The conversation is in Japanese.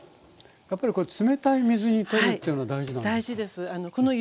やっぱりこれ冷たい水にとるっていうのが大事なんですか？